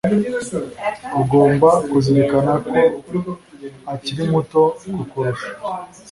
ugomba kuzirikana ko akiri muto kukurusha